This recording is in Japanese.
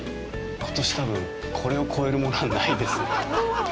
ことし、多分これを超えるものはないですね。